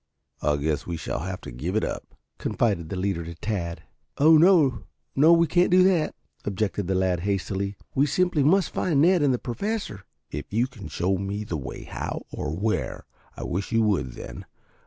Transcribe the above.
"I guess we shall have to give it up," confided the leader to Tad. "Oh, no, we can't do that," objected the lad hastily. "We simply must find Ned and the Professor." "If you can show me the way how or where, I wish you would then.